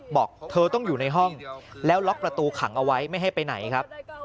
บอกเธอต้องอยู่ในห้องแล้วล็อกประตูขังเอาไว้ไม่ให้ไปไหนครับ